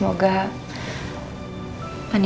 kalau gitu saya permisi ya tante